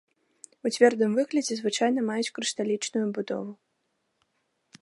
У цвёрдым выглядзе звычайна маюць крышталічную будову.